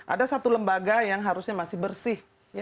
ada satu lembaga yang harusnya masih bersih